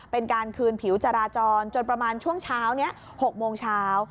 เป็นการคืนผิวจราจรจนประมาณช่วงเช้านี้๖โมงเช้า